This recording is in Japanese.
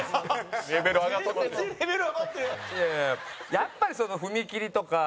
やっぱり踏み切りとか。